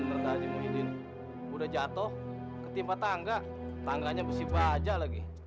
bener bener tadi muhyiddin udah jatuh ketimpa tangga tangganya besi baja lagi